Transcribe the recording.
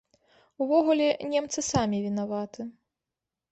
Увогуле, немцы самі вінаваты.